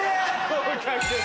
合格。